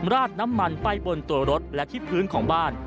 ราดน้ำมันไปบนตัวรถและที่พื้นของบ้าน